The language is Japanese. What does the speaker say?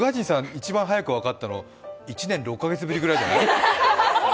一番早く分かったの１年６か月ぐらいじゃない？